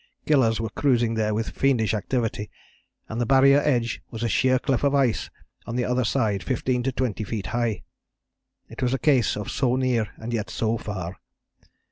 Killers were cruising there with fiendish activity, and the Barrier edge was a sheer cliff of ice on the other side fifteen to twenty feet high. It was a case of so near and yet so far.